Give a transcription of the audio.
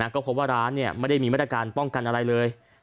ก็พบว่าร้านไม่ได้มีมาตรการป้องกันอะไรเลย